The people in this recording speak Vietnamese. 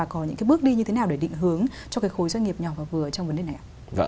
có những cái bước đi như thế nào để định hướng cho cái khối doanh nghiệp nhỏ và vừa trong vấn đề này ạ